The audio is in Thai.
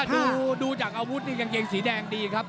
ดูจากอาวุธนี่กางเกงสีแดงดีครับ